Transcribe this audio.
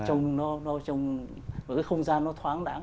trong một cái không gian nó thoáng đáng